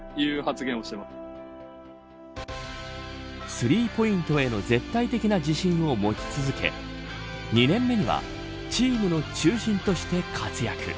スリーポイントへの絶対的な自信を持ち続け２年目にはチームの中心として活躍。